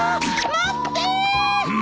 待ってー！